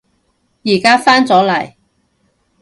而家返咗嚟